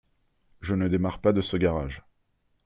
Je ne démarre pas de ce garage.